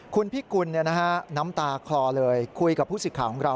คุณพิกุลน้ำตาคลอเลยคุยกับผู้สิทธิ์ของเรา